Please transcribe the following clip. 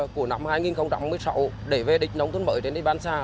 của năm hai nghìn một mươi sáu để về địch nông thôn mới trên đất ban xa